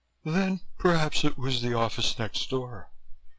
"Then perhaps it was the office next door.